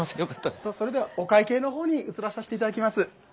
それではお会計の方に移らさせて頂きます。